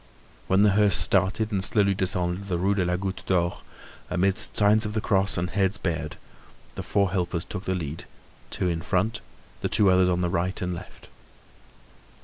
When the hearse started and slowly descended the Rue de la Goutte d'Or, amidst signs of the cross and heads bared, the four helpers took the lead, two in front, the two others on the right and left.